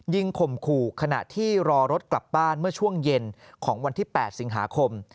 ข่มขู่ขณะที่รอรถกลับบ้านเมื่อช่วงเย็นของวันที่๘สิงหาคม